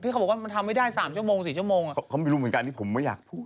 เขาไม่รู้เหมือนกันที่ผมไม่อยากพูด